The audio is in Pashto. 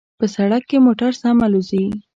په سړک کې موټر سم الوزي